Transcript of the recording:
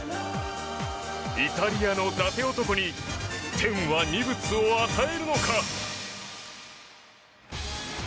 イタリアの伊達男に天は二物を与えるのか。